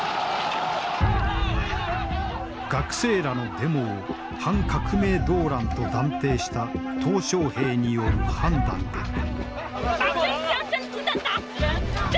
学生らのデモを反革命動乱と断定した小平による判断だった。